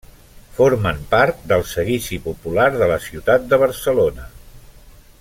Formen part del Seguici Popular de la Ciutat de Barcelona.